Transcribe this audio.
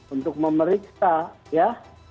untuk memeriksa ya